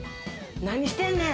何してんねん。